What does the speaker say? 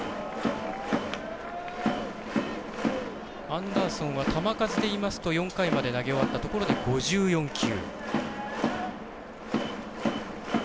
アンダーソンは球数で言いますと４回まで投げ終わったところで５４球。